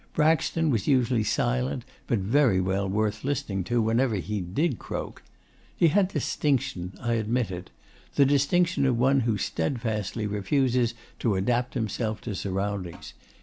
Braxton was usually silent, but very well worth listening to whenever he did croak. He had distinction, I admit it; the distinction of one who steadfastly refuses to adapt himself to surroundings.